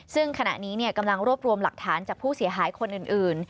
ซึ่งขณะนี้กำลังรวบรวมหลักฐานจากผู้เสียหายคนอื่น